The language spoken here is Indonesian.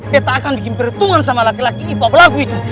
beta akan bikin perhitungan sama laki laki ipap lagu itu